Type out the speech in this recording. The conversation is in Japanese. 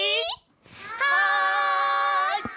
はい！